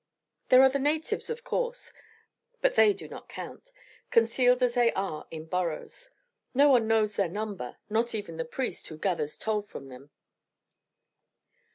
There are the natives, of course, but they do not count, concealed as they are in burrows. No one knows their number, not even the priest who gathers toll from them.